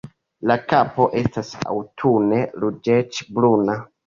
La kapo estas aŭtune ruĝecbruna.